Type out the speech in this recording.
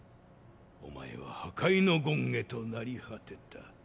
おまえは破壊の権化となり果てた。